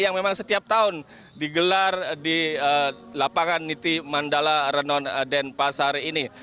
yang memang setiap tahun digelar di lapangan niti mandala renon denpasar ini